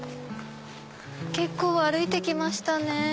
結構歩いて来ましたね。